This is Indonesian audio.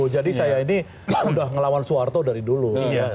jadi saya ini sudah melawan soeharto dari dulu